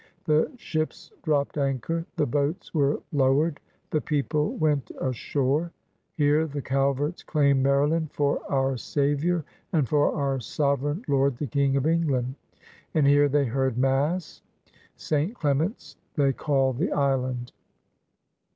The ships dropped anchor; the boats were lowered; the people went ashore. Here the Calverts claimed Maryland "for our Savior and for our Sovereign Lord the King of England,'' and here they heard Mass. St. Cle ment's they called the island.